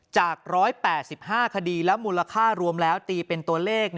จาก๑๘๕คดีและมูลค่ารวมแล้วตีเป็นตัวเลข